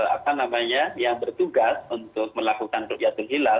apa namanya yang bertugas untuk melakukan rukyatul hilal